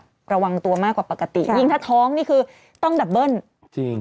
ระวังตัวมากกว่าปกติยิ่งถ้าท้องนี่คือต้องดับเบิ้ลจริง